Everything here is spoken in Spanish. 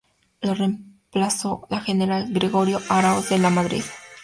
Lo reemplazó el general Gregorio Aráoz de Lamadrid.